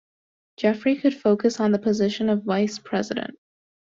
Jeffery could focus on the position of vice president.